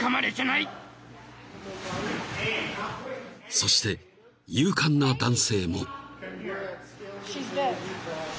［そして勇敢な男性も］